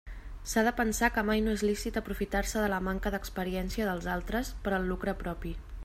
S'ha de pensar que mai no és lícit aprofitar-se de la manca d'experiència dels altres per al lucre propi.